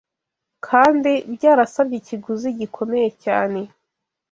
kandi byarasabye ikiguzi gikomeye cyane.